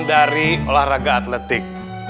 dari olahraga atletik